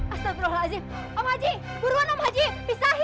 astagfirullahaladzim om haji buruan om haji pisahin